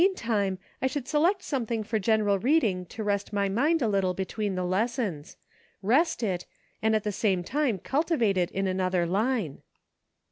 time, I should select something for general read ing to rest my mind a little between the lessons ; rest it, and at the same time cultivate it in another line."